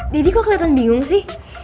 deddy kok kelihatan bingung sih